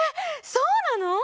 そうなの？